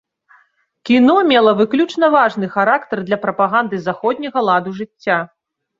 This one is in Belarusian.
Кіно мела выключна важны характар для прапаганды заходняга ладу жыцця.